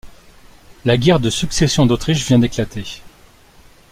La guerre de Succession d'Autriche vient d'éclater.